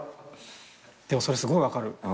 でもそれすごい分かる。